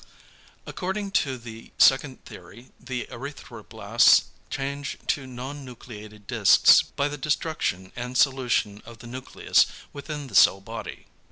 According to the second theory the erythroblasts change to non nucleated discs by the destruction and solution of the nucleus within the cell body.